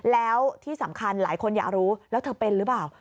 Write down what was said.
แล้วที่สำคัญหลายคนอยากรู้แล้วเธอเป็นหรือเปล่า